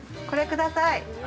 これ、ください。